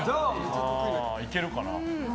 いけるかな。